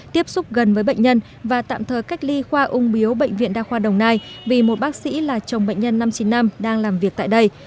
tiếp xúc gần với bệnh nhân và tạm thời cách ly khoa ung biếu bệnh viện đa khoa đồng nai vì một bác sĩ là chồng bệnh nhân năm trăm chín mươi năm đang làm việc tại đây